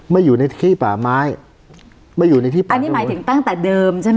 ไม่อยู่ในที่ป่าไม้ไม่อยู่ในที่ป่าอันนี้หมายถึงตั้งแต่เดิมใช่ไหม